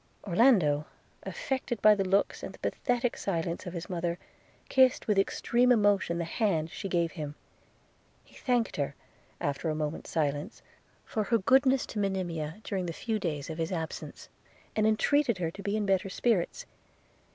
Orlando, affected by the looks and the pathetic silence of his mother, kissed with extreme emotion the hand she gave him – He thanked her, after a moment's silence, for her goodness to Monimia during the few days of his absence; and entreated her to be in better spirits.